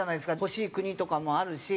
欲しい国とかもあるし。